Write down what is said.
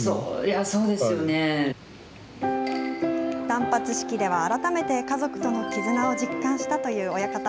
断髪式では、改めて家族との絆を実感したという親方。